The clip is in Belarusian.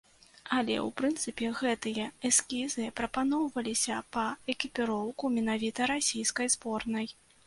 Але, у прынцыпе, гэтыя эскізы прапаноўваліся па экіпіроўку менавіта расійскай зборнай.